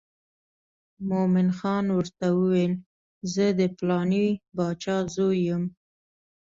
مومن خان ورته وویل زه د پلانې باچا زوی یم.